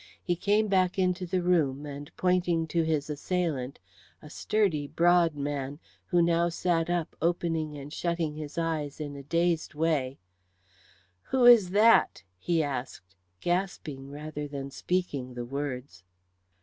He came back into the room, and pointing to his assailant, a sturdy, broad man, who now sat up opening and shutting his eyes in a dazed way, "Who is that?" he asked, gasping rather than speaking the words.